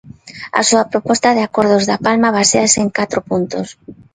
A súa proposta de acordos da Palma baséase en catro puntos.